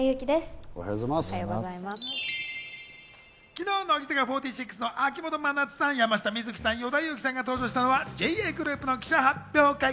昨日、乃木坂４６の秋元真夏さん、山下美月さん、与田祐希さんが登場したのはＪＡグループの記者発表会。